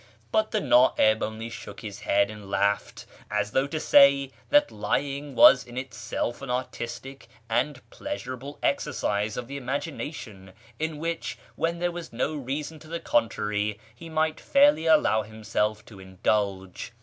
But the Na'ib only shook his head and laughed, as though to say that lying was in itself an artistic and pleasurable exercise of the imagination, in which, when there was no reason to the contrary, he might fairly allow himself to indulge.